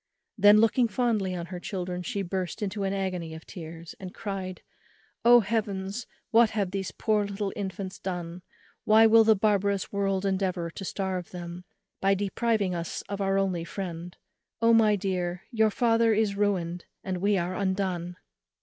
Then looking fondly on her children, she burst into an agony of tears, and cried, "Oh Heavens; what have these poor little infants done? why will the barbarous world endeavour to starve them, by depriving us of our only friend? O my dear, your father is ruined, and we are undone!"